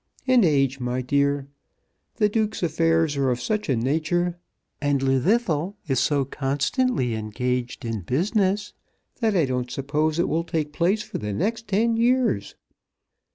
"An age, my dear! The Duke's affairs are of such a nature, and Llwddythlw is so constantly engaged in business, that I don't suppose it will take place for the next ten years.